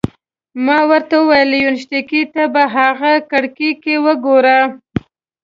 ما ورته وویل: لویشتينکې! ته په هغه کړکۍ کې وګوره.